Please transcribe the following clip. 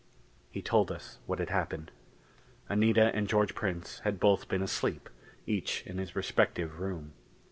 He told us what had happened. Anita and George Prince had both been asleep, each in his respective room.